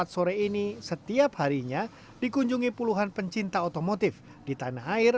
sore ini setiap harinya dikunjungi puluhan pencinta otomotif di tanah air